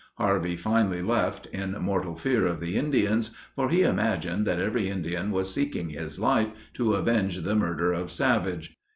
Harvey finally left, in mortal fear of the Indians, for he imagined that every Indian was seeking his life to avenge the murder of Savage.